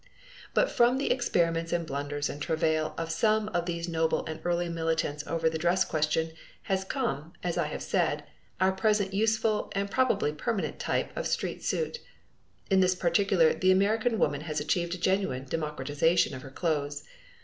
But from the experiments and blunders and travail of some of these noble and early militants over the dress question, has come, as I have said, our present useful, and probably permanent type of street suit. In this particular the American woman has achieved a genuine democratization of her clothes.